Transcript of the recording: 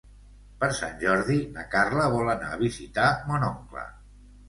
Per Sant Jordi na Carla vol anar a visitar mon oncle.